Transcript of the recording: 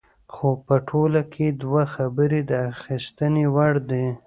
خو په ټوله کې دوه خبرې د اخیستنې وړ دي.